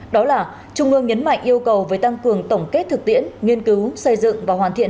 đó là trung ương nhấn mạnh yêu cầu với tăng cường tổng kết thực tiễn nghiên cứu xây dựng và hoàn thiện